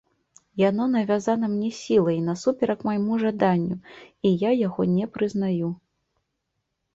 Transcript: Яно навязана мне сілай насуперак майму жаданню, і я яго не прызнаю.